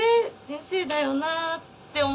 先生だよな？って思って。